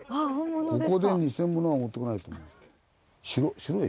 ここで偽物は持ってこないと思う。